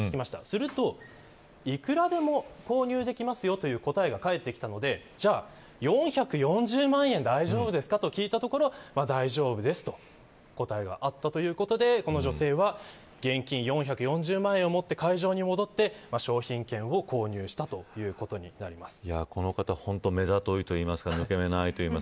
するといくらでも購入できますよという答えが返ってきたためじゃあ、４４０万円大丈夫ですかと聞いたところ大丈夫ですと答えがあったということでこの女性は現金４４０万円を持って会場に戻って商品券を購入したということになります。